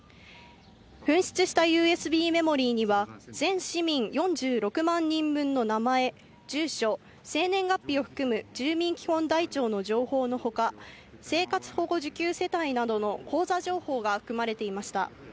紛失したＵＳＢメモリーには、全市民４６万人分の名前、住所、生年月日を含む住民基本台帳の情報のほか、生活保護受給世帯などの口座情報が含まれていました。